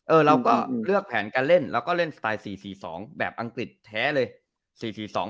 เราก็เลือกแผนการเล่นแล้วก็เล่นสไตล์สี่สี่สองแบบอังกฤษแท้เลยสี่สี่สอง